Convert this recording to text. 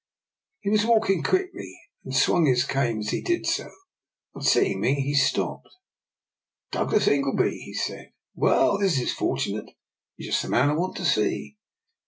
He was walking quickly, and swung his cane as he did so. On seeing me he stopped. " Douglas Ingleby! " he said: " well, this is fortunate! You are just the man I want to see."